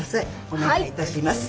おねがいいたします。